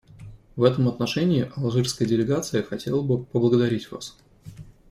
В этом отношении алжирская делегация хотела бы поблагодарить вас,.